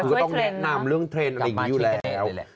แน่นำนามเรื่องเทรนด์อะไรอย่างนี้อยู่แล้ว